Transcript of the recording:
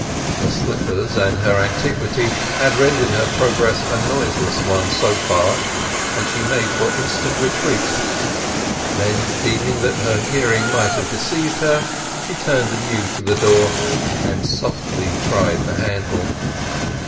Her slippers and her antiquity had rendered her progress a noiseless one so far, and she made for instant retreat; then, deeming that her hearing might have deceived her, she turned anew to the door and softly tried the handle.